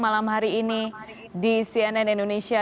malam hari ini di cnn indonesia